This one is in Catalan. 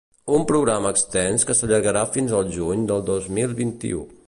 Un programa extens que s’allargarà fins al juny del dos mil vint-i-u.